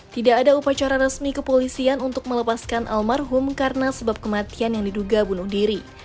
tidak ada upacara resmi kepolisian untuk melepaskan almarhum karena sebab kematian yang diduga bunuh diri